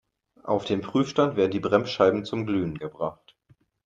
Auf dem Prüfstand werden die Bremsscheiben zum Glühen gebracht.